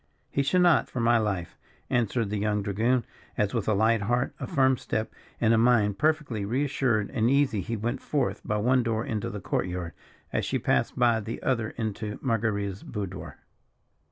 "He should not, for my life!" answered the young dragoon, as with a light heart, a firm step, and a mind perfectly re assured and easy he went forth by one door into the court yard as she passed by the other into Marguerita's boudoir.